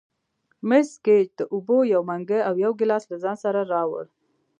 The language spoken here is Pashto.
مس ګېج د اوبو یو منګی او یو ګیلاس له ځان سره راوړ.